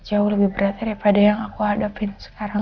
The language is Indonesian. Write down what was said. jauh lebih berat daripada yang aku hadapin sekarang